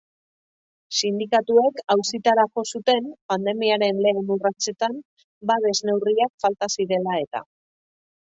Sindikatuek auzitara jo zuten pandemiaren lehen urratsetan babes neurriak falta zirela eta.